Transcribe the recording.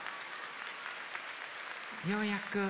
ようやく。